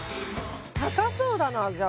高そうだなじゃ